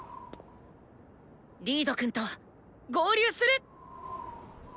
リードくんと合流する！